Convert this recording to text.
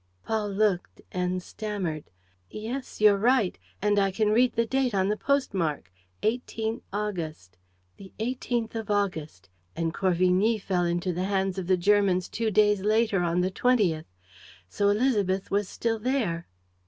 Paul looked and stammered: "Yes, you're right; and I can read the date on the post mark: 18 August. The 18th of August ... and Corvigny fell into the hands of the Germans two days later, on the 20th. So Élisabeth was still there."